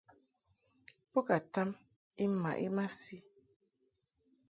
Bo ka tam I mmaʼ I masi.